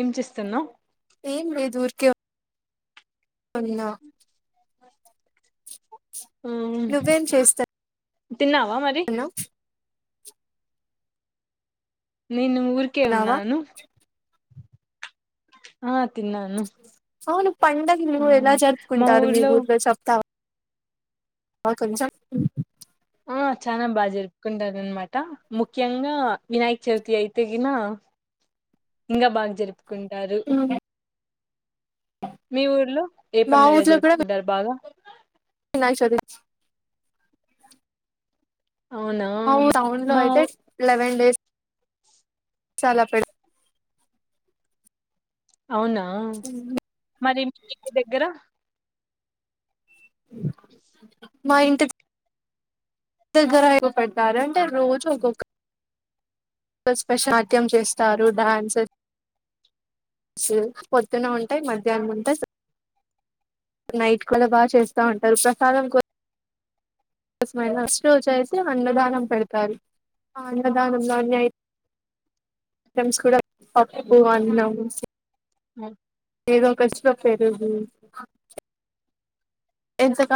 ఏం చేస్తున్నావు చేవు అన్నా ఆ నువ్వేం చేస్తా తిన్నావా మరి నేను ఊరికే ఉన్నావా ఉన్నాను ఆ తిన్నాను అవును పండగ ఆ నువ్వు ఎలా జరుపుకుంటారు మీ ఊర్లో చెప్తావా ఆ కొంచం ఆ చాలా బాగా జరుపుకుంటారున్నమాట ముఖ్యంగా వినాయక చవితి అయితే గిన ఇంకా బాగా జరుపుకుంటారు ఉహు ఉమ్. మీ ఊర్లో ఏ పండగ జరుపుకుంటారు బాగా వినాయచవితి వొచ్చి అవునా అవును టౌన్ లో మా అయితే లెవెన్ డేస్ చాలా ప్ర అవునా మరి మీకు దగ్గర మా ఇంటది దగ్గర ఎవరు పేడతారు అంటే రోజు ఒక్కొక్క నాట్యం సాధ్యం చేస్తారు డాన్సర్ చూ పొద్దున ఉంటాయి మధ్యాహ్నం ఉంటాయి నైట్ కల బాగా చేస్తా ఉంటారు ప్రసాదం కో [unintelligible] చేసి అన్నదానం పెడతారు ఆ అన్నదానంలో అన్య నేమ్స్ కూడా పప్పు అన్నం అ ఏదో తెచ్చుకో పెరుగు ఎంతక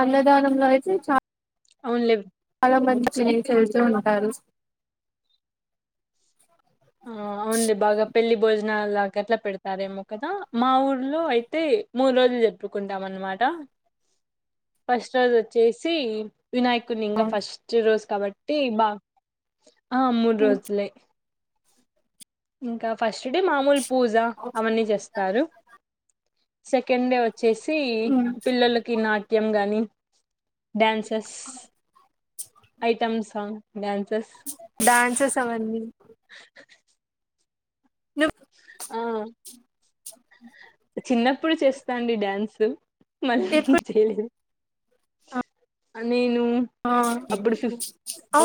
అన్నదానంలో అయితే చాలా అవునులే చాలా మంచికళ్తూ ఉంటారు ఆ అవును లె పెళ్ళలి భోజన ఎట్లా పెడతారేమో కదా మా ఊర్లో అయితే మూడు రోజులు జరుపుకుంటామన్న అమాట ఆ ఫస్ట్ రోజు వచ్చేసి వినాయకుని ఇంకా ఫస్ట్ రోజు కాబట్టి బా ఆ మూడు రోజులే ఇంకా ఫస్ట్ డే మామూలు పూజ అవన్నీ చేస్తారు సెకండ్ డే వచ్చేసి పిల్లలకి నాట్యం గాని డ్యాన్సెస్ ఐటమ్స్ంగ్ డ్యాన్స్స్ అవన్నీ ఆ స్ మళ్ళ ఎప్పుడు చేయలేదు నేను ఆ అప్పుడు ఫిఫ్త్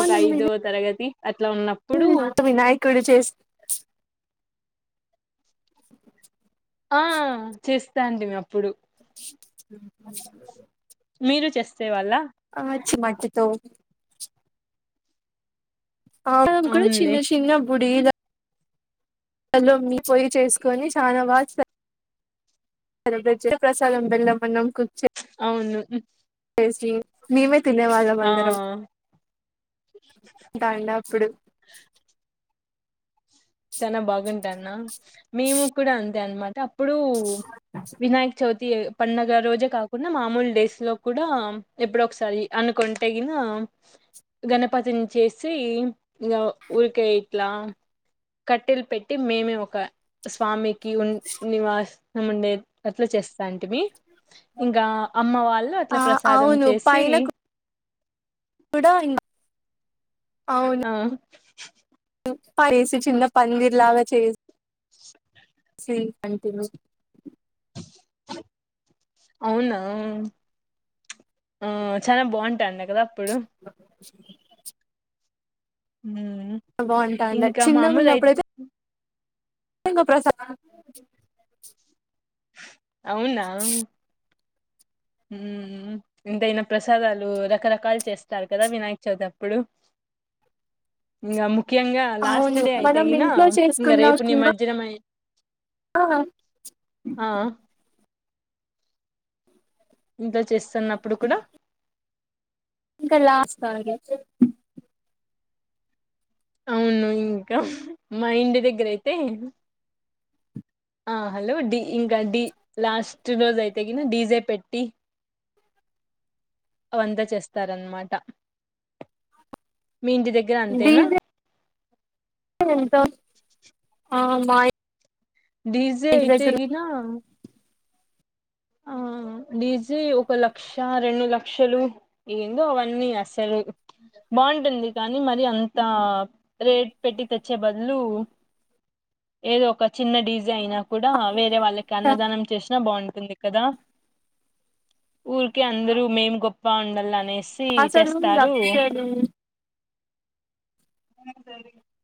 ఒక ఐదవ తరగతి అట్లా ఉన్నప్పుడు వినాయకుడు చేసి ఆ చేస్తా అండ అప్పుడు అ మీరు చేసే వాళ్ళ ఆ మట్టి తో ఆ కూడా అవునులే చిన్న చిన్న బుడి లో మీ పొయ్యి చేసుకొని చాలా బా ప్రసాదం బెల్లం అన్నామ్ అవును మీ తినవాాల ఆ మందిరం దాడాప్పుడు చాల బాగుంటా అన్న మేము కూడా అంతే అనమాట అప్పుడు వినాయక స్ చవితి పండగ రోజే కాకుండా మామూలు డేస్ లో కూడా ఎప్పుడ ఒకసారి అనుకుంటేగిన గణపతిని చేసి ఇకా ఊరికే ఇట్లా కట్టెలు పెట్టి మేమే ఒక స్వామికి ఉ నివాస ముండే అట్లా చేస్తా అంట మీ ఇంకా అమ్మ వాళ్ళు అట్లా ఆ ప్రసాదం చేసి ఇడయిం ఆ చేసి చిన్న పందర్లాగా చేసి స కంటి అవునా ఆ చాలా బాగుంటా అంట కదా అప్పుడు స్ ఇంకా మామూలు అయితే శంగ ప్రసాద్ అవునా ఉ ఎంతైనా ప్రసాదాలు రకరకాలు చేస్తారు కదా వినాయక చవితిరి అప్పుడు ఆ ఇంకా ముఖ్యంగా లాస్ట్ డే మనం అయితేగిన ఇంట్లో ఇంకా రేపు నిమజ్జనమై ఆ ఆ ఇంట్లో చేస్తున్నప్పుడు కూడా ఇంకా లాస్ట్ కాల్గ అవును ఇంకా మా ఇంటి దగ్గర అయితే ఆ హలో డి ఇంకా లాస్ట్ రోజ అయితే క డీజే పెట్టి అవిఅంత చేస్తారన్నమాట మీ ఇంటి దగ్గర అంతెనా డీజే [unintelligible] ఆ మా ఇంటి డిజే అయితే దగ్గర గిన ఆ డీజీ ఒక లక్ష రెండు లక్షలు ఏందో అవన్నీ అసలు [unintelligible] బాంటుంది కానీ మరి అంత రేట్ పెట్టి తెచ్చే బదులు ఏదో ఒక చిన్న డీజ అయినా కూడా వేరే వాళ్ళకి అన్నదానం చేసినా బాగుంటుంది కదా ఊరికే అందరుూ మేం గొప్ప ఉండాల అనేసి సి అసలు చేస్తారు లక్షలు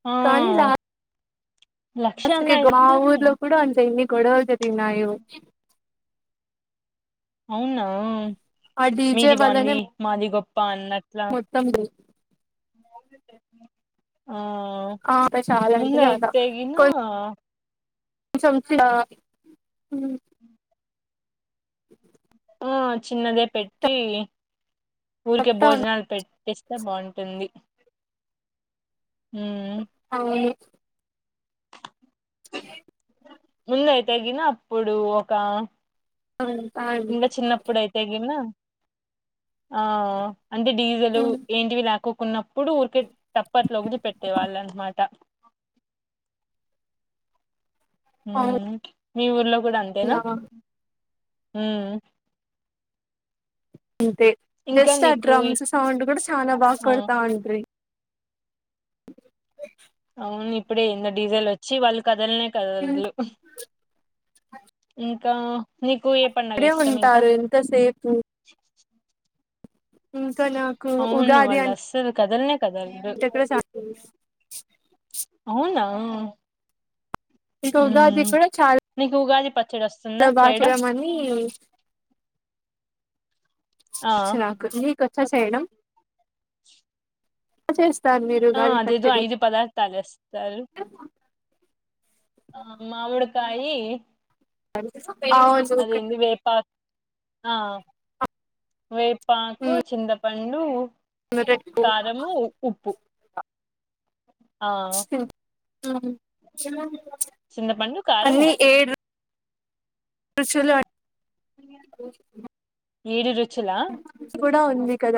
ఆ కాలీ రా లక్ష అన్న అసకే గ మా అయితే ఊర్లో కూడా అంతె ఎన్ని గొడవలు జరిగినాయి ఓ అవునా ఆ డీజే మీది వల్లనే బాగుంది మాది గొప్ప అన్నట్లా మొత్తం డ్ ఆ ఆ చాలా అంటే ముందు అయితేగిన అసలు హ్మ్ ఆ చిన్నదే పెట్టి ఊరికే చెప్తా ఉన్నా భోజనాలు పెట్టిస్తే బాగుంటుంది హ్మ్ అవును ముందయి తగినా అప్పుడు ఒక అంతా ఇంకా చిన్నప్పుడు అయితేగిన ఆ అంటే డీజిల్ అండి ఏంటివి లేకు కున్నప్పుడు ఊరికే తప్పట్లో ఒకటి పెట్టేవాళ్ళు అన్నమాట మీ ఊర్లో కూడా అంతేనా యా హ అంతే జస్ట్ ఆ నీకు ఈ- డ్రమ్స్ సౌండ్ కూడా చాలా బాగా ఆ కొడతాండ్రి అవును ఇప్పుడేంద డీజెల్ వచ్చి వాళ్ళు కదలనే ఇంకా కదలు ఇంకా నీకు ఏ పడుగ ఇక్కడే ఇష్టం ఇంకా ఉంటారు ఎంతసేపు ఉ నాకు అవును ఉగాది వాళ్ళు అం అస్సలు కదలనే కదలరు కూడా ఇష్టం అవునా ఇంకా ఉగాది మ్మ్ కూడా చాలా నీకు ఉగాది పచ్చడి వస్తుందా ఇలా బాగా చేయడం చేయమని ఆ నాకొచ్చు మీ కొచ్చ చేయడం చేస్తారు మీరు ఆ ఉగాది అదేదో పచ్చడి ఐదు పదార్థాలు ఏస్తారు ఆ మామిడికాయి సర అదింది వేపా ఆ వేపాకు ఉమ్ చింతపాం డు రెట్టు ఉమ్ కారము ఉప్పు ఆ చింతపండు కారం అన్ని ఉప్పు ఏడు రుచులు ఏడు రుచలా కూడా ఉంది కద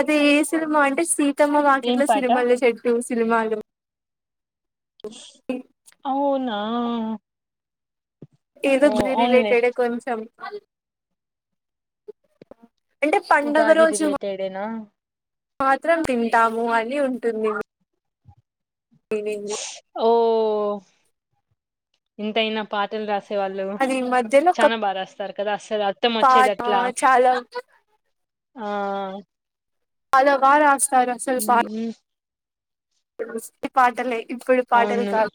అది ఏ సినిమా అంటే సీతమ్మ ఏం వాకిట్లో పాట సినిమాలు చెట్టు సినిమాలు అవునా ఏదో ఓ గు అవునులే రిలేటెడ్ కొంచం అంటే పండుగ ఉగాది రోజు రిలేటెడేనా మాత్రం తినటాము అని ఉంటుంది మ్మ్ ఓ ఇంతయినా పాటలు రాస వాళ్ళు అది మధ్యలో ఒక చానా బాగాస్తారు కదా అసలు అర్థం వచ్చేది పాట అట్లా చాలా ఆ చానా బాగా రాస్టారు అసలు ఉమ్, ప్పు పాటలే ఇప్పుడు పాటలు అవును కాదు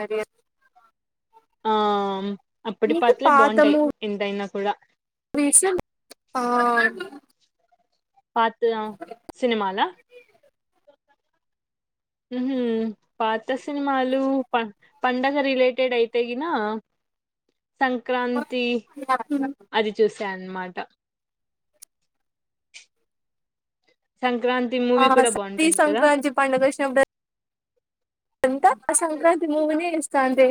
మరి ఆ అప్పుడి నీకు పాట్లే పాత బాగుంటాయి ఎంతైనా కూడా ఆ పాత సినిమాల మ్మ్ పాత సినిమాలు ప పండగ రిలేటెడ్ అయితేన సంక్రాంతి అది చూస్త చెన్మాట సం ఆ శక్తి సంక్రాంతి పండు కృష్ణప్పుడ అంతా సంక్రాంతి మూవనే ఇస్తంది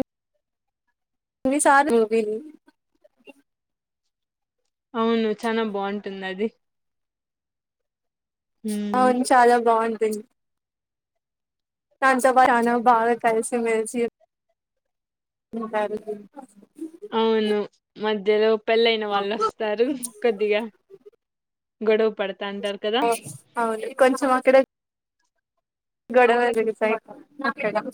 ఇసారి మ అవును చాల బాగుంటుంది అది ఉమ్ అవును చాలా బాగుంటూంది చానా బాగా కలిసి మెలసి ఉంటారు అవును మధ్యలో పెళ్ళ అయిన వాళ్ళు వస్తారు కొద్దిగా గొడవ పడతా అంటారు కదా అవును కొంచెం అక్కడ గడ వజరిసడ అ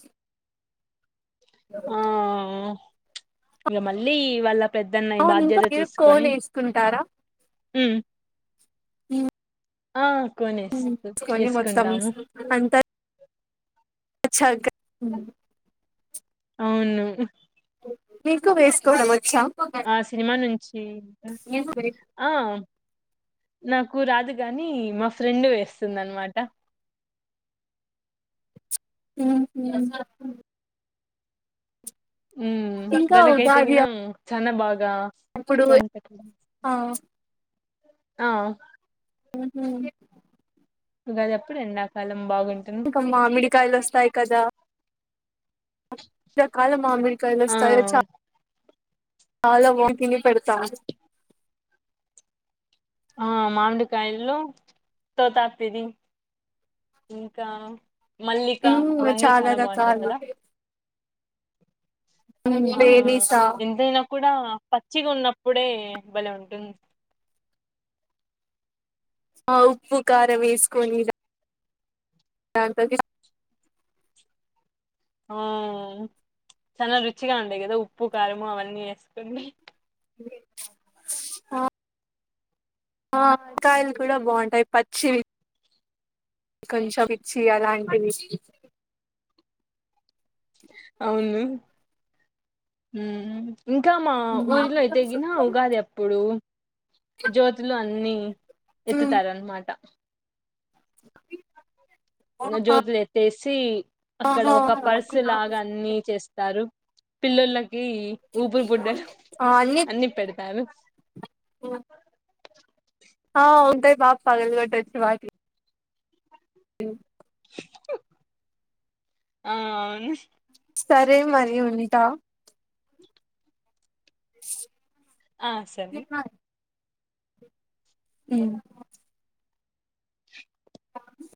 ఇంక మళ్ళీ వాళ్ళ పెద్దన్న అవును ఇంకా బాధ్యత మీరు తీసుకొని కోన్ వేసుకుంటారా హ్మ్ ఇ ఆ కొనేస్త మొత్తం వేసుకుంటాము అంతా [inaudible] అవును మీకు వేస్కో మ ఆ సినిమా నుంచి ఆ నాకు రాదు కాని మా ఫ్రెండ్ వేస్తుంది అనమాట హ ఉ ఇంకా ఉగాది దనకైతేగిన చన బా అప్పుడు ఆ ఆ [unintelligible] అప్పుడు ఎండాకాలం బాగుంటుంది ఇంక మిడికాయలు వస్తాయి కదా ఆ [unintelligible] [unintelligible] ఆ మామిడికాయలు తోతపిరీ ఇంకా మల్లిక మ్మ్ అవన్నీ చాలా బాగుంటాయి రకాలు కదా ఆ బేనిసా ఎంతైన కూడ పచ్చిగ ఉన్నప్పుడే భలే ఉంటు ఆ ఉప్పు కారం వేసుకొని దాంట్లోకి ఆ చాలా రుచిగ ఉండేయి కదా ఉప్పు కారం అవన్నీ వేసుకొని ఆ ఆ [unintelligible] కూడ బాగుంటాయి పచ్చివి కొంచెం ఇచ్చి అలాంటివి అవును హు ఇంకా మా మ్మ్ ఊరిలో అయితే గిన ఉగాది అప్పుడు జ్యోతులు అన్ని ఎత్తుతారూ అనమాట ఆహా జ్యోతులు ఎత్తేసి అక్కడ ఒక పర్సు లాగ అన్ని చేస్తారు పిల్లొల్లు ఊపిరి బుడ్డలు అన్ని పెడతారు ఆ ఉంటాయి బాగ పగలుగొట్టచ్చు వాటి హ ఆ అవును సరే మరి ఉంటా ఆ సరే ఉ ఆ